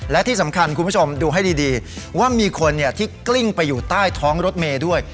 และที่สำคัญคุณผู้ชมดูให้ดีว่ามีคนที่กลิ้งไปอยู่ใต้ท้องรถเมย์ด้วย